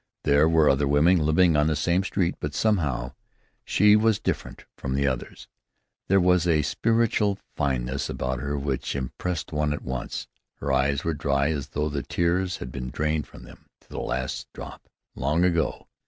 There were other women living on the same street; but somehow, she was different from the others. There was a spiritual fineness about her which impressed one at once. Her eyes were dry as though the tears had been drained from them, to the last drop, long ago.